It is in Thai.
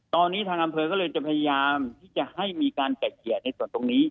ตอนนี้ทางอำเภอก็เลยจะพยายามที่จะให้มีการไก่เกลี่ยในส่วนตรงนี้